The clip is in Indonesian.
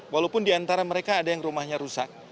walaupun diantara mereka ada yang rumahnya rusak